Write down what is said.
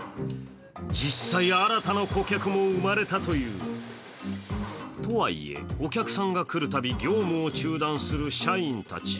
実際、新たな顧客も生まれたというとはいえ、お客さんが来るたび業務を中断する社員たち。